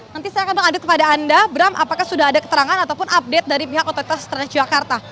nanti saya akan mengundut kepada anda bram apakah sudah ada keterangan ataupun update dari pihak otoritas transjakarta